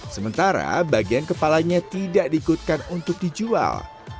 sementara bagian kepalanya tidak diikutkan untuk dijual